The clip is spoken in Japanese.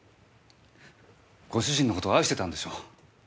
ご主人の事愛してたんでしょう？